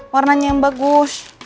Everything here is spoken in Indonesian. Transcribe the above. warnanya yang bagus